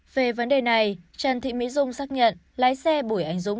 về vấn đề này trần thị mỹ dung xác nhận lái xe bùi ánh dung